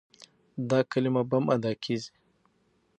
دا کلمه بم ادا کېږي.